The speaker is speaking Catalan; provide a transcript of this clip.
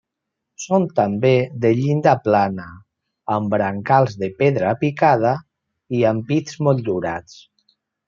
Són també de llinda plana, amb brancals de pedra picada i ampits motllurats.